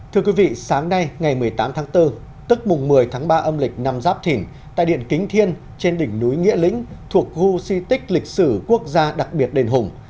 thưa quý vị sáng nay ngày một mươi tám tháng bốn tức mùng một mươi tháng ba âm lịch năm giáp thìn tại điện kính thiên trên đỉnh núi nghĩa lĩnh thuộc khu di tích lịch sử quốc gia đặc biệt đền hùng